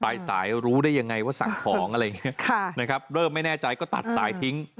สายรู้ได้ยังไงว่าสั่งของอะไรอย่างนี้นะครับเริ่มไม่แน่ใจก็ตัดสายทิ้ง